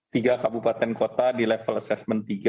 tiga kabupaten kota di level assessment tiga